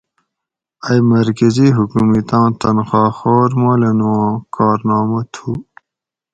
ائ مرکزی حکومِتاں تنخواہ خور مولنو آں کارنامہ تھو